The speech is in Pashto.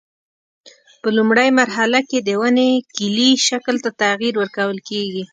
په لومړۍ مرحله کې د ونې کلي شکل ته تغییر ورکول کېږي.